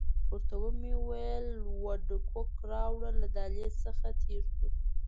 ورته ومې ویل وډکوک راوړه، له دهلیز څخه تېر شوو.